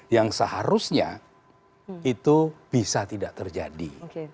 yang seharusnya itu bisa tidak terjadi